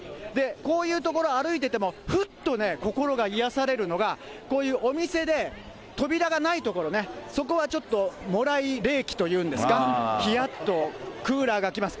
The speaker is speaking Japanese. こういう所歩いてても、ふっとね、心が癒やされるのが、こういうお店で扉がない所ね、そこはちょっと、もらい冷気というんですか、ひやっとクーラーが来ます。